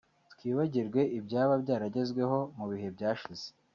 twibagirwe ibyaba byaragezweho mu bihe byashize